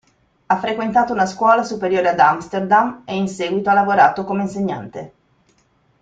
Ha frequentato una scuola superiore ad Amsterdam e in seguito ha lavorato come insegnante.